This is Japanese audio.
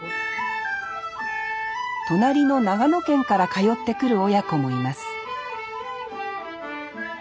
隣の長野県から通ってくる親子もいます